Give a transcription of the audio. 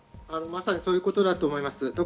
まさにそういうことだと思います。